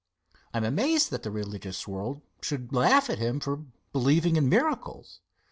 I am amazed that the religious world should laugh at him for believing in miracles.